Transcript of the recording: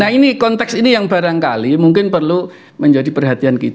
nah ini konteks ini yang barangkali mungkin perlu menjadi perhatian kita